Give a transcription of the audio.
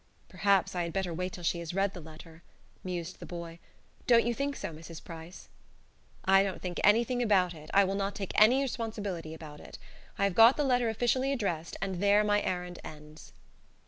"Perhaps I had better wait until she has read the letter," mused the boy. "Don't you think so, Mrs. Price?" "I don't think anything about it. I will not take any responsibility about it. I have got the letter officially addressed, and there my errand ends."